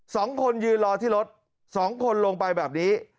สองคนยืนรอที่รถสองคนลงไปแบบนี้